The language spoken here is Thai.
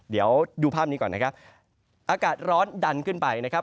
เดี๋ยวดูภาพนี้ก่อนนะครับอากาศร้อนดันขึ้นไปนะครับ